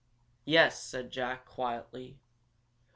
"Yes," said Jack, quietly.